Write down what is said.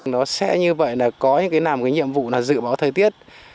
nó sẽ như vậy là có những cái làm cái nhiệm vụ là dự báo thời tiết